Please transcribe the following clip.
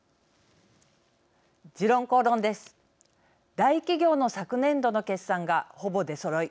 大企業の昨年度の決算がほぼ出そろい